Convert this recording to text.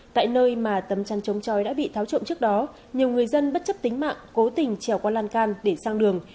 tại nơi mà tấm chăn chống trọi đã bị tháo trộm trước đó nhiều người dân bất chấp tính mạng cố tình trèo qua lan can để sang đường